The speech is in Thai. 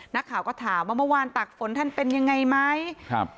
นักข่าวก็ถามว่าเมื่อวานตักฝนท่านเป็นยังไงไหมครับ